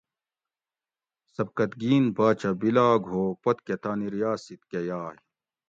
سبکتگین باچہ بیلاگ ہو پُت کہۤ تانی ریاسِت کہۤ یائ